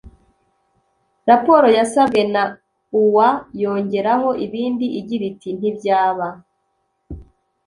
raporo yasabwe na oua yongeraho ibindi igira iti ntibyaba